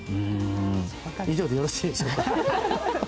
以上でよろしいでしょうか。